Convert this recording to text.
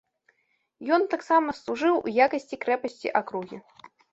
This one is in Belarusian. Ён таксама служыў у якасці крэпасці акругі.